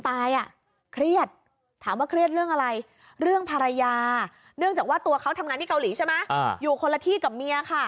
ที่โทรศัพท์หายเลย